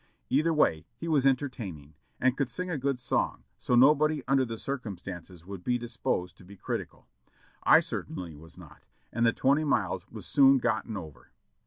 Either way, he was entertaining, and could sing a good song, so nobody under the circumstances would be disposed to be critical; I certainly was not, and the twenty miles was soon gotten over.